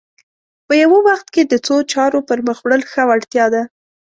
په یوه وخت کې د څو چارو پر مخ وړل ښه وړتیا ده